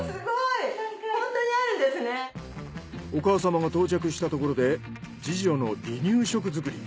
お母様が到着したところで次女の離乳食作り。